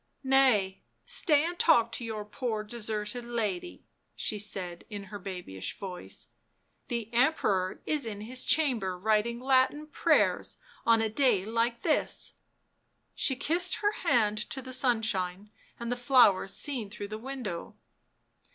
" Nay, stay and talk to your poor deserted lady," she said in her babyish voice. " The Emperor is in his chamber writing Latin prayers — on a day like this !" She kissed her hand to the sunshine and the flowers seen through the window.